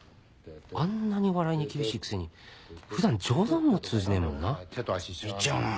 あんなに笑いに厳しいくせに普段冗談も通じねえもんな手と足一緒なんだよ。